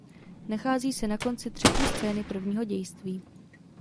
Nachází se na konci třetí scény prvního dějství.